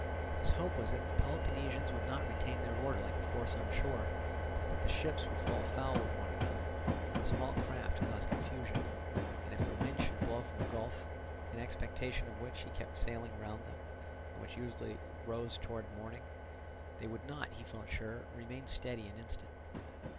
His hope was that the Peloponnesians would not retain their order like a force on shore, but that the ships would fall foul of one another and the small craft cause confusion; and if the wind should blow from the gulf (in expectation of which he kept sailing round them, and which usually rose towards morning), they would not, he felt sure, remain steady an instant.